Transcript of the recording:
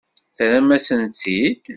Terram-asen-tt-id.